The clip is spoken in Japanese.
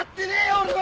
俺は！